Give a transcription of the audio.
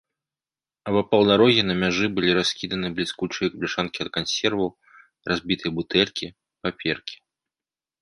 Абапал дарогі на мяжы былі раскіданы бліскучыя бляшанкі ад кансерваў, разбітыя бутэлькі, паперкі.